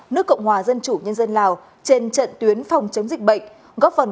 nước cộng hòa dân chủ nhân dân lào trên trận tuyến phòng chống dịch bệnh